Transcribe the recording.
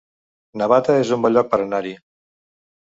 Navata es un bon lloc per anar-hi